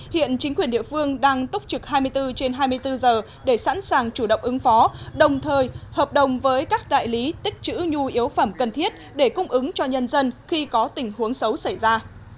hiện chính quyền địa phương đang túc trực hai mươi bốn trên hai mươi bốn giờ để sẵn sàng chủ động ứng phó đồng thời hợp đồng với các đại lý tích chữ nhu yếu phẩm cần thiết để cung ứng cho nhân dân khi có tình huống xấu xảy ra